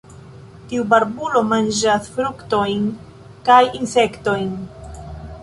Tiu barbulo manĝas fruktojn kaj insektojn.